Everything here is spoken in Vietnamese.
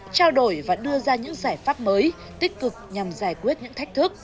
trao đổi và đưa ra những giải pháp mới tích cực nhằm giải quyết những thách thức